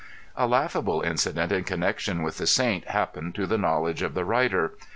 A laughable accident in connection with the saint happened to the knowledge of the writer.